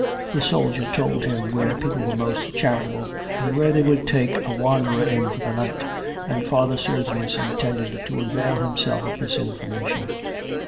The soldier told him where people were most charitable, and where they would take a wanderer in for the night, and Father Sergius intended to avail himself of this information.